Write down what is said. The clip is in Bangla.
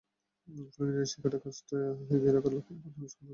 ফলে ইংরেজি শিখে কাজটা এগিয়ে রাখার লক্ষ্যেই প্রাথমিক স্কুলিংটা শুরু হয়।